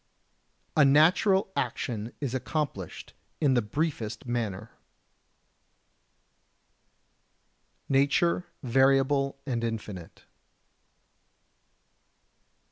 58. A natural action is accomplished in the briefest manner. [Sidenote: Nature Variable and Infinite.